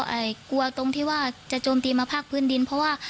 กลัวตรงที่ว่าจะโจมตีมาภาคพื้นดินเพราะว่า